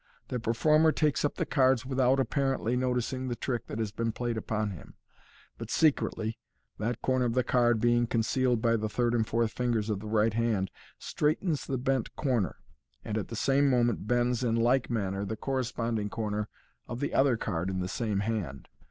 The per former takes up the cards without apparently noticing the trick that has been played upon him, but secretly (that corner of the card being concealed by the third and fourth fingers of the right hand) straightens the bent corner, and at the same moment bends in like manner the corresponding corner of the other card in the same hand.